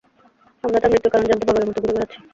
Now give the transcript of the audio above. আমরা তার মৃত্যুর কারণ জানতে পাগলের মতো ঘুরে বেড়াচ্ছি।